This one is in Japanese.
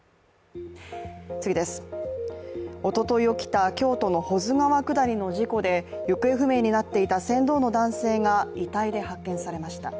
おととい起きた京都の保津川下りの事故で行方不明になっていた船頭の男性が遺体で発見されました。